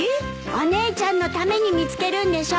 お姉ちゃんのために見つけるんでしょ。